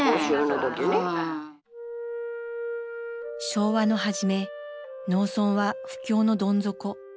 昭和の初め農村は不況のどん底。